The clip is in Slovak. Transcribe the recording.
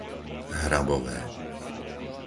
Hrabové